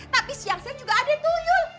tapi siang siang juga ada tuh yul